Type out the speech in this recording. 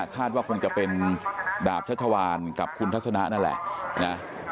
คาดว่าคงจะเป็นดาบชัชวานกับคุณทัศนะนั่นแหละนะ